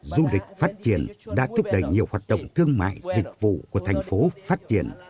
du lịch phát triển đã thúc đẩy nhiều hoạt động thương mại dịch vụ của thành phố phát triển